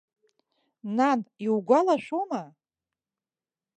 Нан, иугәалашәома.